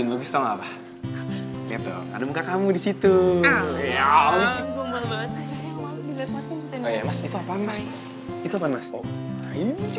ini bagus tahu apa apa ada muka kamu di situ ya mas itu apaan itu